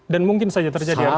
dan mungkin saja terjadi artinya